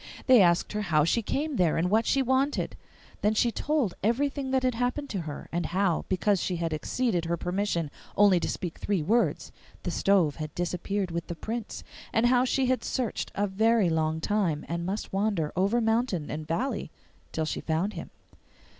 They asked her how she came there and what she wanted. Then she told everything that had happened to her, and how, because she had exceeded her permission only to speak three words, the stove had disappeared with the Prince; and how she had searched a very long time, and must wander over mountain and valley till she found him.